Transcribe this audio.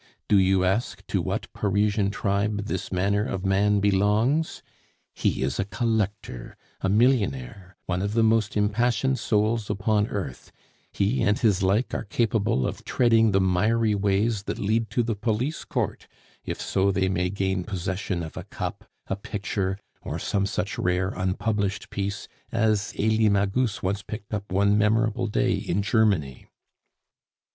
Do you ask to what Parisian tribe this manner of man belongs? He is a collector, a millionaire, one of the most impassioned souls upon earth; he and his like are capable of treading the miry ways that lead to the police court if so they may gain possession of a cup, a picture, or some such rare unpublished piece as Elie Magus once picked up one memorable day in Germany.